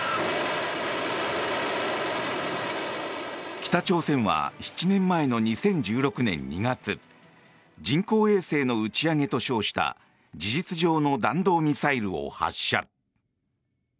北朝鮮は７年前の２０１６年２月人工衛星の打ち上げと称した事実上の弾道ミサイルを発射。